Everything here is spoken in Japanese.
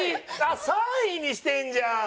あっ３位にしてるじゃん！